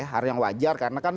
hal yang wajar karena kan